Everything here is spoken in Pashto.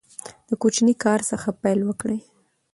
د کوچني کار څخه پیل وکړئ.